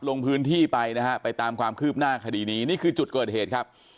ลงพื้นที่ไปนะฮะไปตามความคืบหน้าคดีนี้นี่คือจุดเกิดเหตุครับ